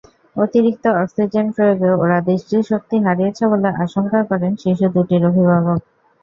অতিরিক্ত অক্সিজেন প্রয়োগে ওরা দৃষ্টিশক্তি হারিয়েছে বলে আশঙ্কা করেন শিশু দুটির অভিভাবক।